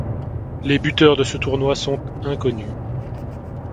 Les buteurs de ce tournoi sont inconnus.